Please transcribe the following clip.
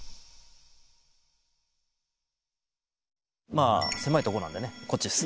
まあ狭いとこなんでねこっちです。